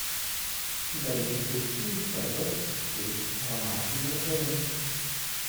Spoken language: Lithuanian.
Dalis rūšių svarbios kaip aromatiniai augalai.